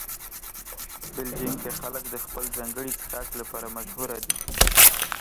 بلجیم کې خلک د خپل ځانګړي څښاک لپاره مشهوره دي.